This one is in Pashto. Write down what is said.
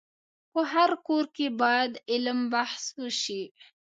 په هر کور کي باید علم بحث وسي.